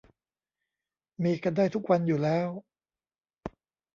มีกันได้ทุกวันอยู่แล้ว